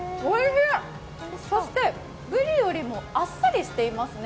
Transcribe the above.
そして、ブリよりもあっさりしていますね。